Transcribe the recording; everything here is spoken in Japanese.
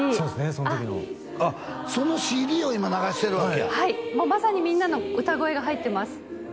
その時のあっそのＣＤを今流してるわけやはいまさにみんなの歌声が入ってます